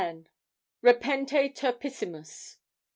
REPENTE TURPISSIMUS.